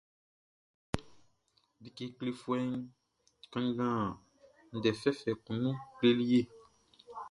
Andɛʼn, like klefuɛʼn kanngan ndɛ fɛfɛ kun nun kle e.